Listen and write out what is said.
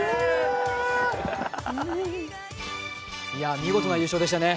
見事な優勝でしたね。